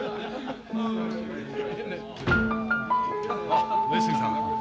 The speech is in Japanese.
あっ上杉さん。